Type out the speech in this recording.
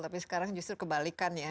tapi sekarang justru kebalikan ya